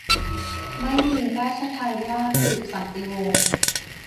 ไม่มีรัชทายาทสืบสันติวงศ์